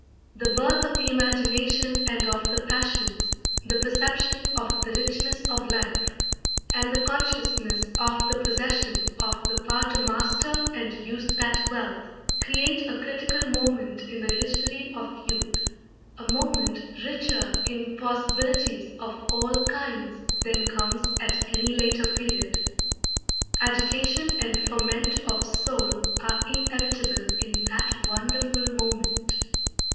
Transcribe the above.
The birth of the imagination and of the passions, the perception of the richness of life, and the consciousness of the possession of the power to master and use that wealth, create a critical moment in the history of youth, a moment richer in possibilities of all kinds than comes at any later period. Agitation and ferment of soul are inevitable in that wonderful moment.